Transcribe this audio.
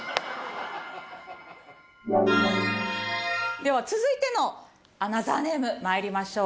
では続いてのアナザーネーム参りましょう。